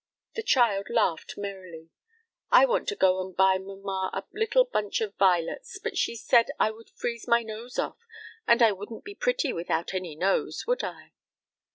The child laughed merrily. "I wanted to go and buy mamma a little bunch of vi'lets, but she said I would freeze my nose off, and I wouldn't be pretty without any nose, would I?"